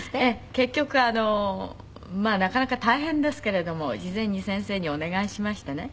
結局まあなかなか大変ですけれども事前に先生にお願いしましてね